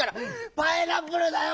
「パイナップル」だよ